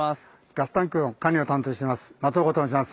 ガスタンクの管理を担当してます松岡と申します。